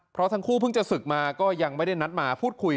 เพราะทั้งคู่เพิ่งจะศึกมาก็ยังไม่ได้นัดมาพูดคุย